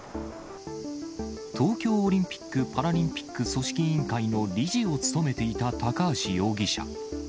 東京オリンピック・パラリンピック組織委員会の理事を務めていた高橋容疑者。